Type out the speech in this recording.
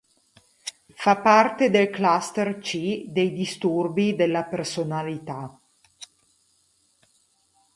Fa parte del cluster C dei disturbi della personalità.